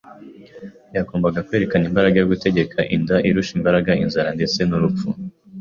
Yagombaga kwerekana imbaraga yo gutegeka inda irusha imbaraga inzara ndetse n’urupfu.